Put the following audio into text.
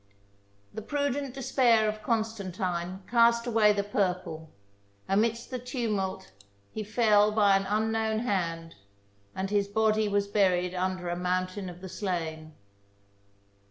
The prudent despair of Con stantine cast away the purple; amidst the tumult he fell THE BOOK OF FAMOUS SIEGES by an unknown hand, and his body was buried under a mountain of the slain.